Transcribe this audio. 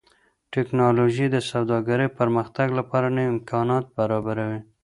ټکنالوژي د سوداګرۍ پرمختګ لپاره نوي امکانات برابروي.